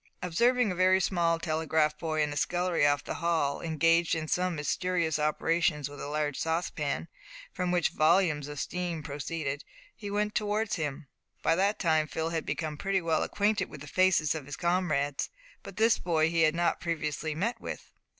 Observing a very small telegraph boy in a scullery off the hall, engaged in some mysterious operations with a large saucepan, from which volumes of steam proceeded, he went towards him. By that time Phil had become pretty well acquainted with the faces of his comrades, but this boy he had not previously met with.